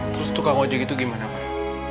terus tukang ojek itu gimana pak